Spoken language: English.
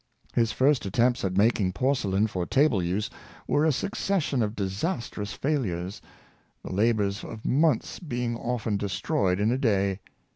His first attempts at making porcelain for table use were a succession of disastrous failures — the labors of months being often destro3'ed in a day.